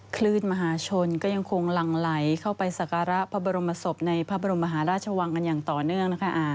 คลื่นมหาชนก็ยังคงหลั่งไหลเข้าไปสักการะพระบรมศพในพระบรมมหาราชวังกันอย่างต่อเนื่องนะคะ